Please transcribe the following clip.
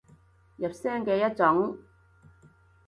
入聲嘅一種